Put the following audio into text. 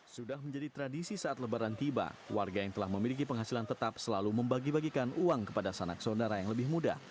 sudah menjadi tradisi saat lebaran tiba warga yang telah memiliki penghasilan tetap selalu membagi bagikan uang kepada sanak saudara yang lebih muda